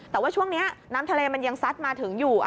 แต่ว่าช่วงนี้น้ำทะเลมันยังซัดมาถึงอยู่